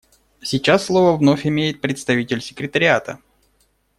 Сейчас слово вновь имеет представитель Секретариата.